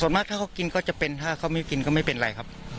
ส่วนมากถ้าเขากินก็จะเป็นถ้าเขาไม่กินก็ไม่เป็นไรครับ